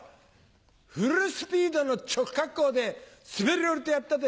フルスピードの直滑降で滑り降りてやったぜ！